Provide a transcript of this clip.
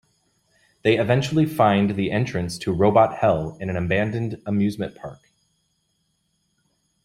They eventually find the entrance to Robot Hell in an abandoned amusement park.